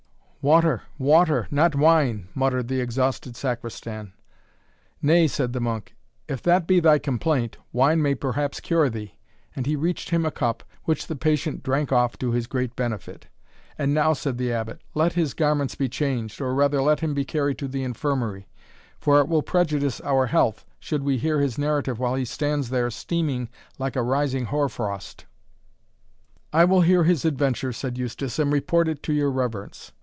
"Water! water! not wine," muttered the exhausted Sacristan. "Nay," said the monk, "if that be thy complaint, wine may perhaps cure thee;" and he reached him a cup, which the patient drank off to his great benefit. "And now," said the Abbot, "let his garments be changed, or rather let him be carried to the infirmary; for it will prejudice our health, should we hear his narrative while he stands there, steaming like a rising hoar frost." "I will hear his adventure," said Eustace, "and report it to your reverence."